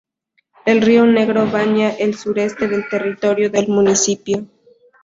El río Negro baña el sureste del territorio del municipio.